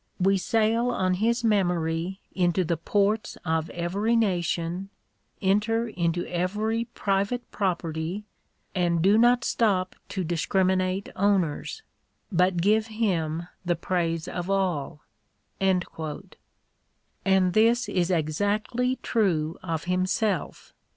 We sail on his memory into the ports of every nation, enter into every private property, and do not stop to discriminate owners, but give him the praise of all, And this is exactly true of himself.